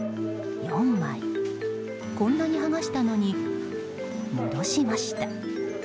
こんなに剥がしたのに戻しました。